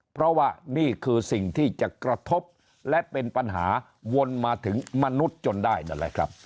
เพราะว่านี่คือสิ่งที่จะกระทบและเป็นปัญหาวนมาถึงมนุษย์จนได้นั่นแหละครับ